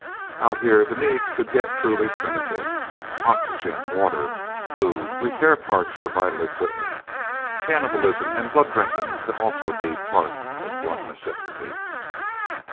Out here, the needs could get truly primitive. Oxygen, water, food, repair parts for vital equipment. Cannibalism and blood drinking could also be part of blunt necessity.